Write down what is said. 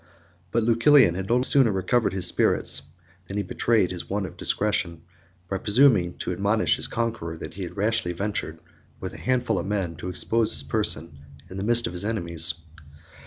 But Lucilian had no sooner recovered his spirits, than he betrayed his want of discretion, by presuming to admonish his conqueror that he had rashly ventured, with a handful of men, to expose his person in the midst of his enemies.